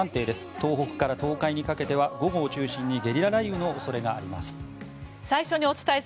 東北から東海にかけては午後を中心にゲリラ雷雨の恐れがあります。